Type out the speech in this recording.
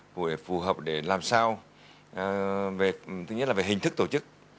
của phù hợp để làm sao thứ nhất là về hình thức tổ chức